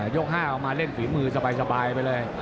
ยก๕ออกมาเล่นฝีมือสบายไปเลย